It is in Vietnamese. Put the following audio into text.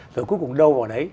rồi cuối cùng đâu vào đấy